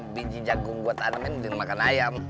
biji jagung gue tanamin beli makan ayam